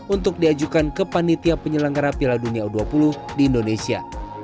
untuk diajukan ke panitia penyelenggara piala dunia u dua puluh di indonesia